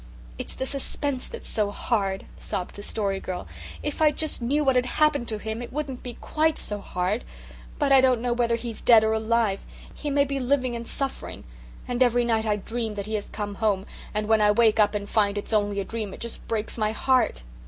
"It's the suspense that's so hard," sobbed the Story Girl. "If I just knew what had happened to him it wouldn't be QUITE so hard. But I don't know whether he's dead or alive. He may be living and suffering, and every night I dream that he has come home and when I wake up and find it's only a dream it just breaks my heart."